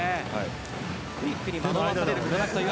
クイックに惑わされることなくという。